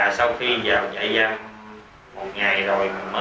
và sau khi vào nhà giam một ngày rồi